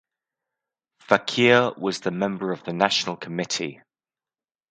Fakir was the member of the National committee.